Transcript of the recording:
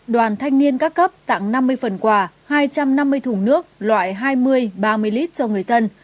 đoàn thanh niên các cấp tặng năm mươi phần quà hai trăm năm mươi thùng nước loại hai mươi ba mươi lít cho người dân